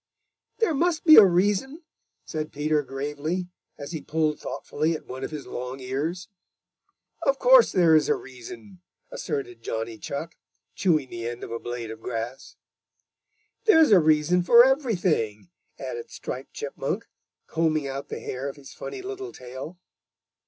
"There must be a reason" said Peter gravely, as he pulled thoughtfully at one of his long ears. "Of course there is a reason," asserted Johnny Chuck, chewing the end of a blade of grass. "There's a reason for everything," added Striped Chipmunk, combing out the hair of his funny little tail.